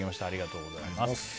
ありがとうございます。